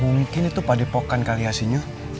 mungkin itu pak depokan karyasinya